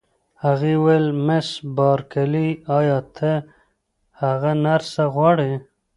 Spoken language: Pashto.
هغې وویل: مس بارکلي، ایا ته هغه نرسه غواړې؟